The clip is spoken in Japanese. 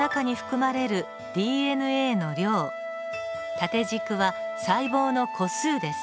縦軸は細胞の個数です。